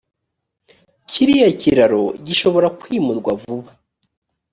kiriya kiraro gishobora kwimurwa vuba